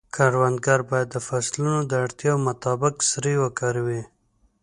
کروندګر باید د فصلونو د اړتیاوو مطابق سرې وکاروي.